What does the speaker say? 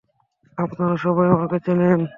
আপনারা সবাই আমাকে চেনেন!